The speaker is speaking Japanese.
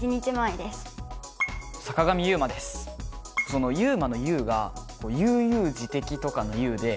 その「悠真」の「悠」が「悠々自適」とかの「悠」で。